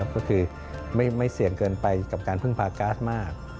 ก็คือไม่เสี่ยงเกินไปกับการพึ่งพาการ์ดมาก